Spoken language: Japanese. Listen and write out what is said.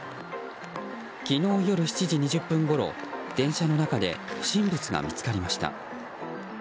昨日夜７時２０分ごろ電車の中で不審物が見つかりました。